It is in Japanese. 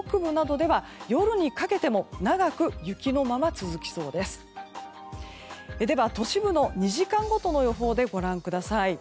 では都市部の２時間ごとの予報でご覧ください。